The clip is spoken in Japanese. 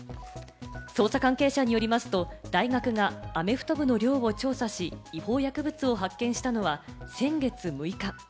捜査関係者によりますと、大学がアメフト部の寮を調査し、違法薬物を発見したのは先月６日。